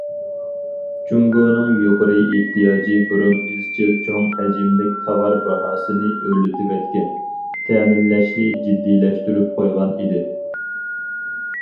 جۇڭگونىڭ يۇقىرى ئېھتىياجى بۇرۇن ئىزچىل چوڭ ھەجىملىك تاۋار باھاسىنى ئۆرلىتىۋەتكەن، تەمىنلەشنى جىددىيلەشتۈرۈپ قويغان ئىدى.